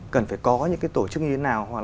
cần phải có những cái tổ chức như thế nào